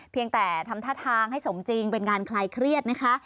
เพียงแต่ทำท่าทางให้สมจริงเป็นการคลายเครียดนะคะ